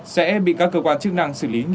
sẽ bị các cơ quan chức năng xử lý nghiêm